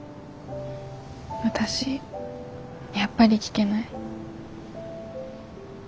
私やっぱり聞けない。